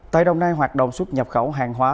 tại đồng nai hoạt động xuất nhập khẩu hàng hóa